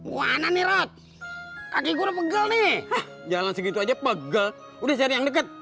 wana mirot kaki gua pegang nih jalan segitu aja pegang udah jadi yang deket